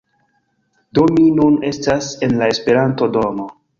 Do mi nun estas en la Esperanto-domo